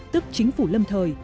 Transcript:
tức chính phủ lâm thời